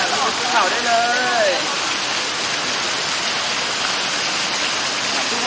ระบบเล่ม